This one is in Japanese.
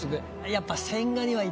やっぱ。